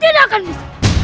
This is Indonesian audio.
tidak akan bisa